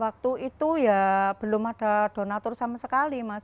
waktu itu ya belum ada donatur sama sekali mas